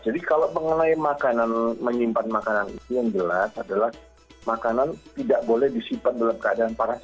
jadi kalau mengenai makanan menyimpan makanan itu yang jelas adalah makanan tidak boleh disimpan dalam keadaan panas